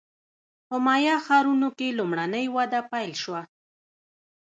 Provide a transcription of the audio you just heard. په مایا ښارونو کې لومړنۍ وده پیل شوه